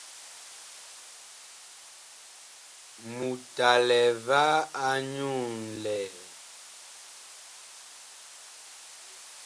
Mut a lɛ va nyu nlɛɛ?